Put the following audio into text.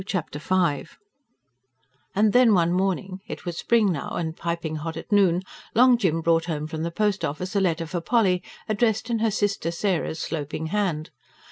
Chapter V And then one morning it was spring now, and piping hot at noon Long Jim brought home from the post office a letter for Polly, addressed in her sister Sarah's sloping hand.